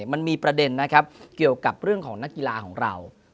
มันมีประเด็นนะครับเกี่ยวกับเรื่องของนักกีฬาของเรา